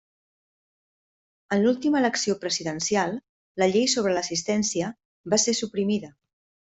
En l'última elecció presidencial la llei sobre l'assistència va ser suprimida.